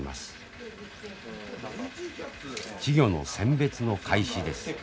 稚魚の選別の開始です。